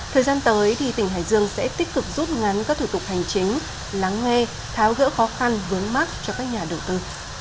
thời gian tới thì tỉnh hải dương sẽ tích cực rút ngắn các thủ tục hành chính lắng nghe tháo gỡ khó khăn vướng mắt cho các nhà đầu tư